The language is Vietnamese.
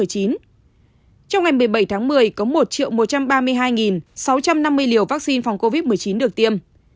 trong ngày một mươi bảy tháng một mươi có một một trăm ba mươi hai sáu trăm năm mươi liều vaccine phòng covid một mươi chín được tiêm